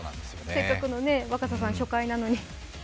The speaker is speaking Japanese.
せっかくの若狭さん初回なのに。